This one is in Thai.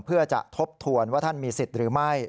เพื่อจะทบทวนว่าท่านมีสิทธิ์หรือไม่